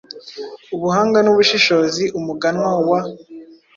Ubuhanga nubushishozi Umuganwa wa